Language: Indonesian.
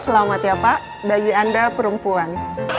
selamat ya pak bagi anda perempuan